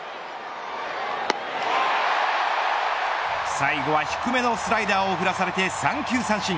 最後は低めのスライダーを振らされて３球三振。